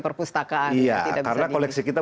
perpustakaan iya karena koleksi kita